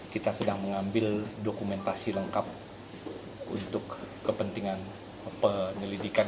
kita sedang mengambil dokumentasi lengkap untuk kepentingan penyelidikan